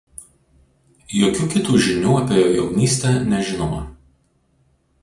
Jokių kitų žinių apie jo jaunystę nežinoma.